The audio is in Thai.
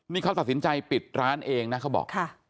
นี่เขาตัดสินใจปิดร้านเองนะเขาบอก